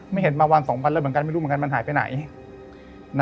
ไม่เห็นมาวัน๒วันแล้วเหมือนกันไม่รู้เหมือนกันมันหายไปไหน